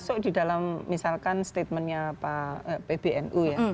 masuk di dalam misalkan statementnya pak pbnu ya